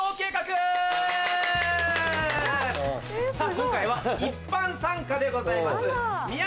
今回は一般参加でございます。